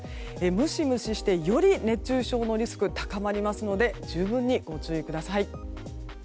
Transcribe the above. ムシムシして、より熱中症のリスクが高まりますので十分にご注意ください。